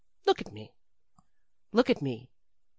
Look at me, look at me!